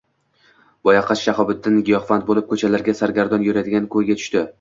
Boyaqish Shahobiddin giyohvand boʼlib koʼchalarda sargardon yuradigan koʼyga tushdi.